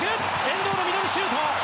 遠藤のミドルシュート！